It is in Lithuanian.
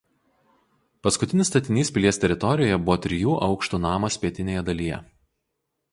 Paskutinis statinys pilies teritorijoje buvo trijų aukštų namas pietinėje dalyje.